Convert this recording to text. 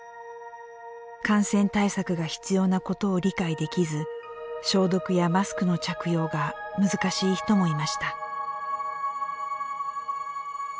感染対策が必要なことを理解できず消毒やマスクの着用が難しい人もいました。